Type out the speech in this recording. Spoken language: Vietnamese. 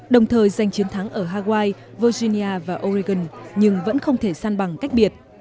đồng thời giành chiến thắng ở hawaii virginia và oregon nhưng vẫn không thể săn bằng cách biệt